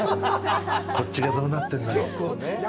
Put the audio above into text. こっちがどうなってんだろう。